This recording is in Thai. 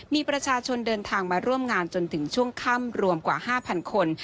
มีประชาชนเดินทางมาร่วมงานจนถึงช่วงค่ำรวมกว่า๕๐๐คน